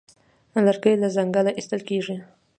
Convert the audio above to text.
لرګی له ځنګله اخیستل کېږي.